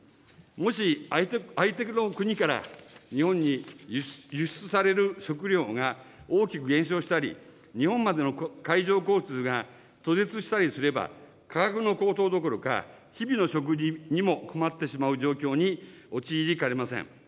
もし、相手の国から日本に輸出される食料が大きく減少したり、日本までの海上交通が途絶したりすれば、価格の高騰どころか、日々の食事にも困ってしまう状況に陥りかねません。